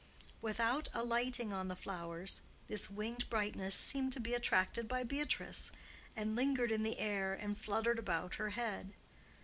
Without alighting on the flowers, this winged brightness seemed to be attracted by Beatrice, and lingered in the air and fluttered about her head.